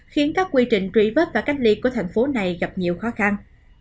khiến các quy trình truy vết và cách ly của thành phố này gặp nhiều khó khăn